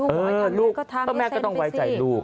ลูกก็แม่ก็ต้องไว้ใจลูก